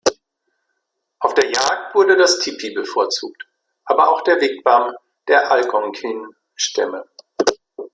Auf der Jagd wurde das Tipi bevorzugt, aber auch der Wigwam der Algonkinstämme.